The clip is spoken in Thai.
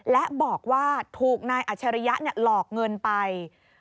และบอกว่าถูกนายอัชริยะหลอกเงินไป